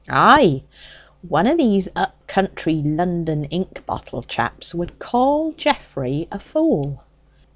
"Ay; one o' these up country London ink bottle chaps would call Geoffrey a fool."